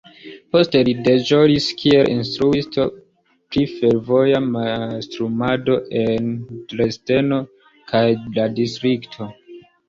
Poste li deĵoris kiel instruisto pri fervoja mastrumado en Dresdeno kaj la distrikto.